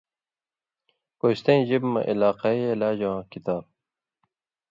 کوستَیں ژِبہۡ مہ علاقائی علاجہ واں کتاب